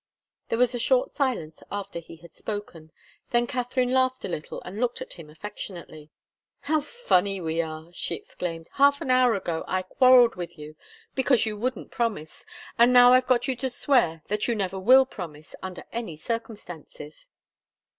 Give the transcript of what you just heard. There was a short silence after he had spoken. Then Katharine laughed a little and looked at him affectionately. "How funny we are!" she exclaimed. "Half an hour ago I quarrelled with you because you wouldn't promise, and now I've got you to swear that you never will promise, under any circumstances."